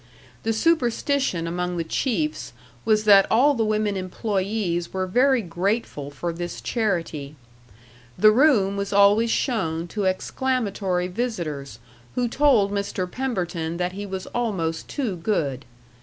The superstition among the chiefs was that all the women employees were very grateful for this charity. The room was always shown to exclamatory visitors, who told Mr. Pemberton that he was almost too good.